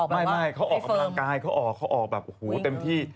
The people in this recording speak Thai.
ไม่เขาออกกำลังกายเขาออกแบบอูหูเต็มที่